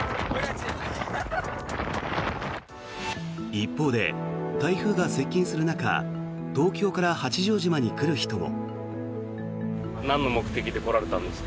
一方で台風が接近する中東京から八丈島に来る人も。